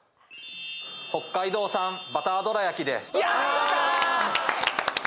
北海道産バターどらやきです。